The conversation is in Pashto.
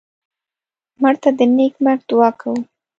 مړه ته د نیک مرګ دعا کوو